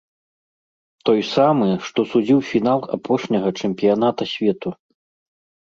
Той самы, што судзіў фінал апошняга чэмпіяната свету.